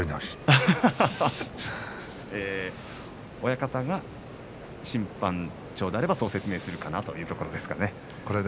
笑い声親方が審判長であればそう説明するかなというところですかね。